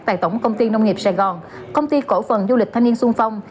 tại tổng công ty nông nghiệp sài gòn công ty cổ phần du lịch thanh niên sung phong